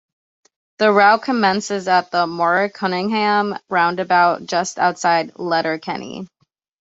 The route commences at the Manorcunningham Roundabout just outside Letterkenny.